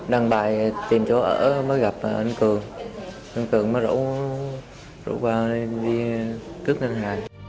đăng bài tìm chỗ ở mới gặp anh cường anh cường rủ vào cướp ngân hàng